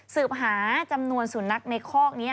สืบหาจำนวนสุนัขในคอกนี้